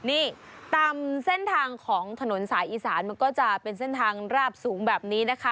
นี่ตามเส้นทางของถนนสายอีสานมันก็จะเป็นเส้นทางราบสูงแบบนี้นะคะ